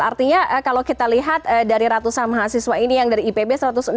artinya kalau kita lihat dari ratusan mahasiswa ini yang dari ipb satu ratus enam puluh